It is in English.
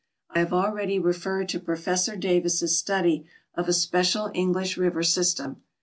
I have already referred to Professor Davis' study of a special English river system.